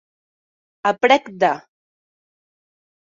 A prec de.